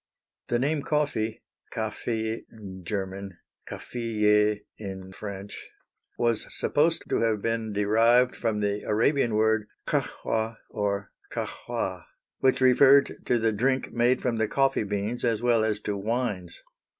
The name coffee (Kaffee, Ger., Cafféier, Fr.) was supposed to have been derived from the Arabian word Kahwah or Cahuah, which referred to the drink made from the coffee beans as well as to wines.